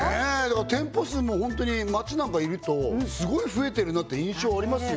店舗数もホントに街なんかいるとスゴい増えてるなって印象ありますよ